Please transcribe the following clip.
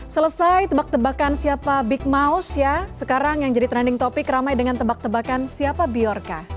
selesai tebak tebakan siapa big mouse ya sekarang yang jadi trending topic ramai dengan tebak tebakan siapa biorca